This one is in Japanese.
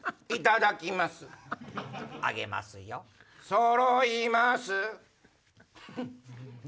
そろいます？